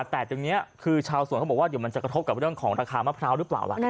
แต่ตรงนี้คือชาวสวนเขาบอกว่าเดี๋ยวมันจะกระทบกับเรื่องของราคามะพร้าวหรือเปล่าล่ะ